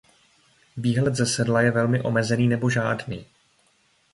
Výhled ze sedla je velmi omezený nebo žádný.